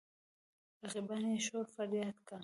رقیبان يې شور فرياد کا.